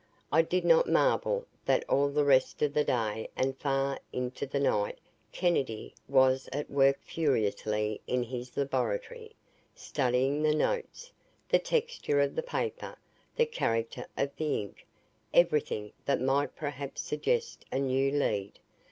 I did not marvel that all the rest of that day and far into the night Kennedy was at work furiously in his laboratory, studying the notes, the texture of the paper, the character of the ink, everything that might perhaps suggest a new lead.